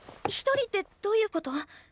一人ってどういうこと？